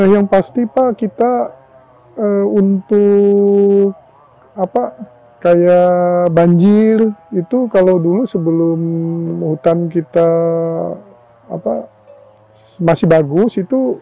yang pasti pak kita untuk banjir itu kalau dulu sebelum hutan kita masih bagus itu